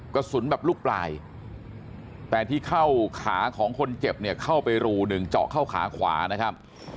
กระสุนแบบลูกปลายแต่ที่เข้าขาของคนเจ็บเนี่ยเข้าไปรูหนึ่งเจาะเข้าขาขวานะครับ